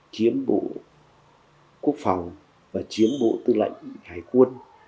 chiếm bộ quốc phòng và chiếm bộ tư lệnh hải quân